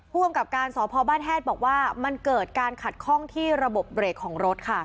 อำกับการสพบ้านแฮดบอกว่ามันเกิดการขัดข้องที่ระบบเบรกของรถค่ะ